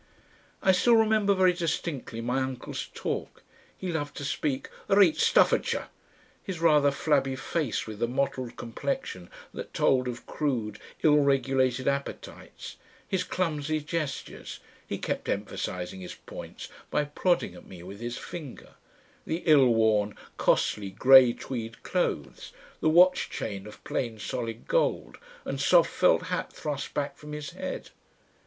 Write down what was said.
I still remember very distinctly my uncle's talk, he loved to speak "reet Staffordshire" his rather flabby face with the mottled complexion that told of crude ill regulated appetites, his clumsy gestures he kept emphasising his points by prodding at me with his finger the ill worn, costly, grey tweed clothes, the watch chain of plain solid gold, and soft felt hat thrust back from his head.